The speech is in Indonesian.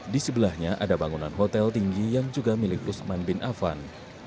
di sebelahnya ada bangunan hotel tinggi yang juga milik usman bin afan